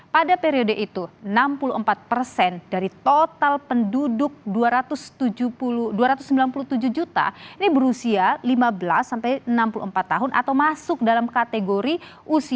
pada periode itu enam puluh empat persen dari total penduduk dua ratus sembilan puluh tujuh juta ini berusia lima belas sampai enam puluh empat tahun atau masuk dalam kategori usia